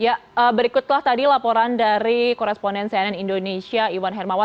ya berikutlah tadi laporan dari koresponen cnn indonesia iwan hermawan